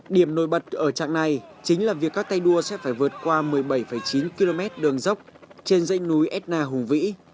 điểm nổi bật ở trạng này chính là việc các tay đua sẽ phải vượt qua một mươi bảy chín km đường dốc trên dãy núi sna hùng vĩ